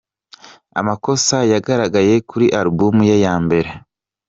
amakosa yagaragaye kuri album ye ya mbere.